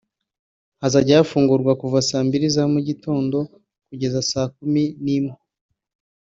Hazajya hafungurwa kuva saa mbili za mu gitondo kugeza saa kumi n’imwe